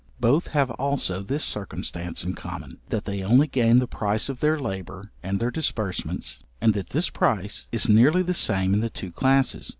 Both have also this circumstance in common, that they only gain the price of their labour and their disbursements, and that this price is nearly the same in the two classes.